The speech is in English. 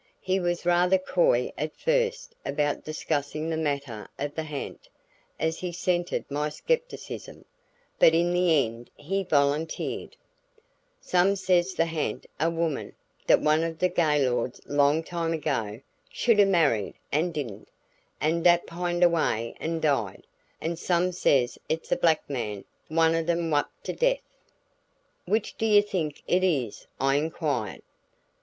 He was rather coy at first about discussing the matter of the ha'nt, as he scented my scepticism, but in the end he volunteered: "Some says de ha'nt's a woman dat one o' de Gaylords long time ago, should o' married an' didn't, an' dat pined away an' died. An' some says it's a black man one o' dem whupped to deaf." "Which do you think it is?" I inquired.